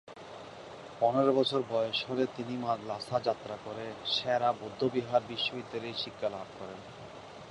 পনেরো বছর বয়স হলে তিনি লাসা যাত্রা করে সে-রা বৌদ্ধবিহার বিশ্ববিদ্যালয়ে শিক্ষালাভ করেন।